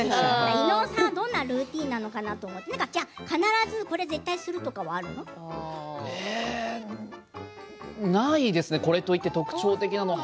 伊野尾さんはどんなルーティンなのかなと思ってないですね、これといって特徴的なことは。